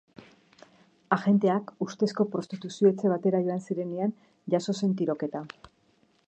Agenteak ustezko prostituzio-etxe batera joan zirenean jazo zen tiroketa.